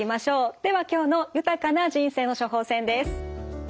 では今日の豊かな人生の処方せんです。